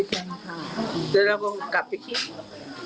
เราก็กลับไปคิด